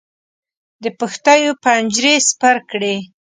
د پښتیو پنجرې سپر کړې.